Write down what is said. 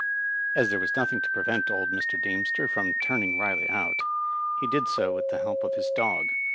As there was nothing to prevent old Mr. Deemster from turning Eiley out, he did so with the help of his dog.